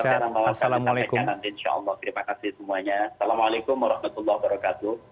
assalamualaikum warahmatullahi wabarakatuh